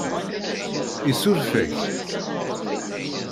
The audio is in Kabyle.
Isuref-ak?